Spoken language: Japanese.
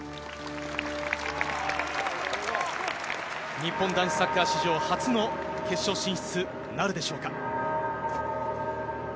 日本男子サッカー史上初の決勝進出なるでしょうか。